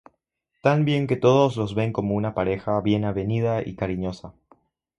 Tan bien que todos los ven como una pareja bien avenida y cariñosa.